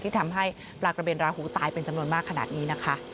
ที่ทำให้ปลากระเบนราหูตายเป็นจำนวนมากขนาดนี้นะคะ